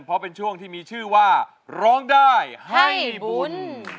เพราะเป็นช่วงที่มีชื่อว่าร้องได้ให้บุญ